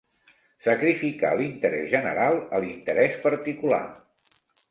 Sacrificar l'interès general a l'interès particular.